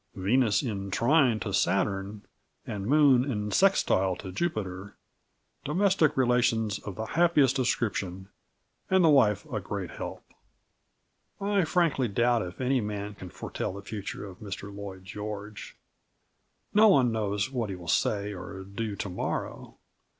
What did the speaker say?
"Venus in Trine to Saturn, and Moon in Sextile to Jupiter domestic relations of the happiest description, and the wife a great help." I frankly doubt if any man can foretell the future of Mr Lloyd George. No one knows what he will say or do to morrow.